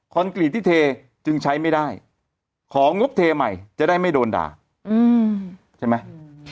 กรีตที่เทจึงใช้ไม่ได้ของงบเทใหม่จะได้ไม่โดนด่าใช่ไหม